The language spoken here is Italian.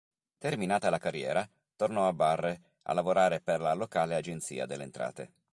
Terminata la carriera, tornò a Barre a lavorare per la locale agenzia delle entrate.